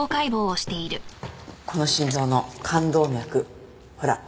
この心臓の冠動脈ほら